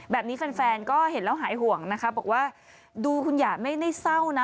แบบนี้แฟนก็เห็นแล้วหายห่วงนะคะบอกว่าดูคุณอย่าไม่ได้เศร้านะ